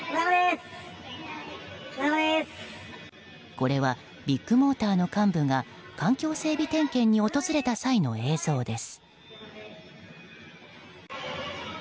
これはビッグモーターの幹部が環境整備点検に訪れた際の映像です。